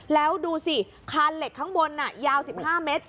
แล้วดูสิคานเหล็กข้างบนยาว๑๕เมตร